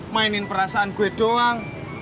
mainin perasaan gue doang